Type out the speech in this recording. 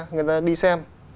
người ta đi xem